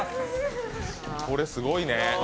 これ、すごいね。